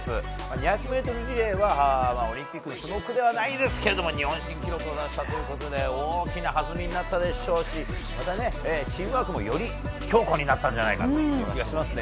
２００ｍリレーはオリンピック種目ではないですが日本新記録を出したことで大きな弾みになったでしょうしまたチームワークもより強固になったような気がしますね。